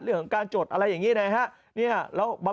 เรื่องของการจดอะไรอย่างนี้นะครับ